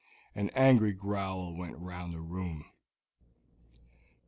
An angry growl went round the room.